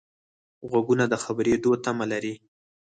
غوږونه د خبرېدو تمه لري